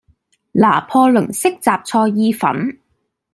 拿破崙式什菜意粉